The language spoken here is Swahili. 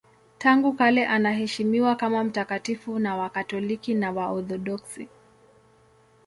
Tangu kale anaheshimiwa kama mtakatifu na Wakatoliki na Waorthodoksi.